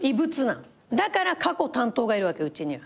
だから過去担当がいるわけうちには。